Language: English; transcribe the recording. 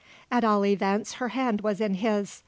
At all events her hand was in his.